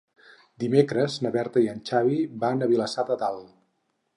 Dimecres na Berta i en Xavi van a Vilassar de Dalt.